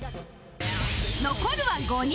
残るは５人